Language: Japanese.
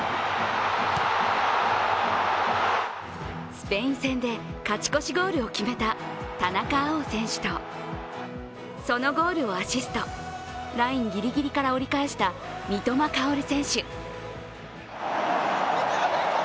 スペイン戦で勝ち越しゴールを決めた田中碧選手とそのゴールをアシストラインぎりぎりから折り返した三笘薫選手。